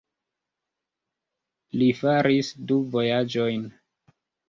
Li faris du vojaĝojn.